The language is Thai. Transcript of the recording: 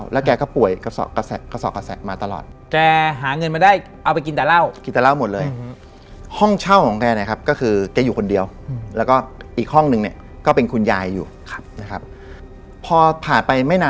แล้วก็เหมือนเชิญคนอิสลาม